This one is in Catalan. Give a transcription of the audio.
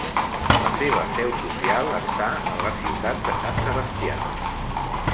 La seva seu social està en la ciutat de Sant Sebastià.